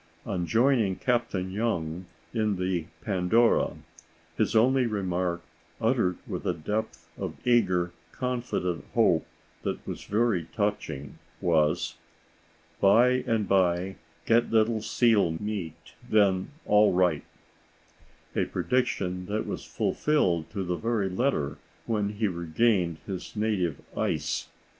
On joining Captain Young in the Pandora, his only remark, uttered with a depth of eager, confident hope that was very touching, was, "By and by get little seal meat; then all right,"—a prediction that was fulfilled to the very letter when he regained his native ice.